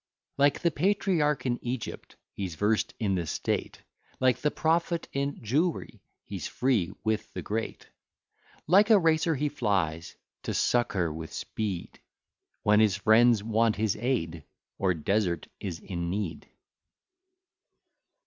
Like the patriarch in Egypt, he's versed in the state; Like the prophet in Jewry, he's free with the great; Like a racer he flies, to succour with speed, When his friends want his aid, or desert is in need.